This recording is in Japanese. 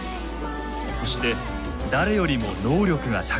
そして誰よりも能力が高い。